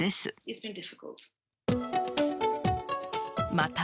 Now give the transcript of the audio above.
また、